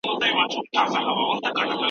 خپلو ماشومانو ته کیسې ولولئ.